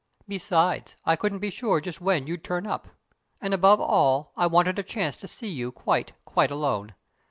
Besides, I couldn't be sure just when you'd turn up. And above all, I wanted a chance to see you quite, quite alone.